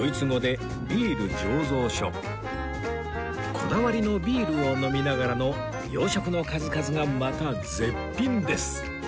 こだわりのビールを飲みながらの洋食の数々がまた絶品です！